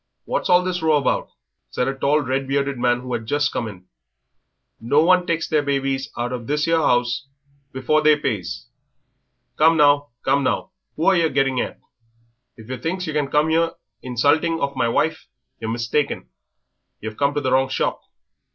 "What's all this row about?" said a tall, red bearded man who had just come in; "no one takes their babies out of this 'ere 'ouse before they pays. Come now, come now, who are yer getting at? If yer thinks yer can come here insulting of my wife yer mistaken; yer've come to the wrong shop."